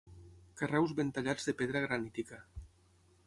carreus ben tallats de pedra granítica